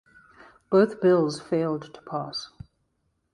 Both bills failed to pass.